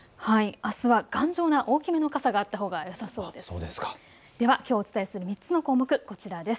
あすは頑丈な大きめの傘があったほうがよさそうです。